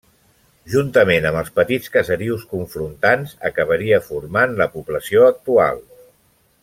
Juntament amb els petits caserius confrontants, acabaria formant la població actual.